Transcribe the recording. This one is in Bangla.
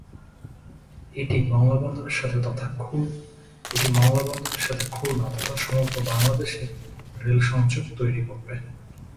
এটি মংলা বন্দরের সাথে খুলনা তথা সমগ্র বাংলাদেশের রেল সংযোগ তৈরী করবে।